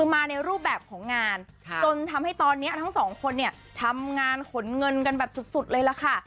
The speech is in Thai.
มาในรูปแบบของงานจนทำให้ตอนนี้ทั้งสองคนเนี่ยทำงานขนเงินกันแบบสุดเลยล่ะค่ะ